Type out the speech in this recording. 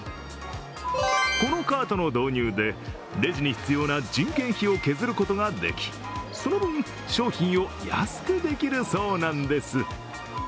このカートの導入で、レジに必要な人件費を削ることができ、その分、商品を安くできるそうなんです。